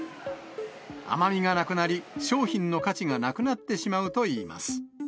甘みがなくなり、商品の価値がなくなってしまうといいます。